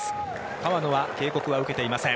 川野は警告は受けていません。